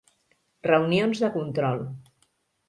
Reunions de control.